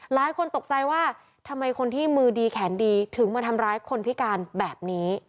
หลายคนตกใจว่าทำไมคนที่มือดีแขนดีถึงมาทำร้ายคนพิการแบบนี้